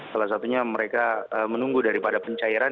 salah satunya mereka menunggu daripada pencairan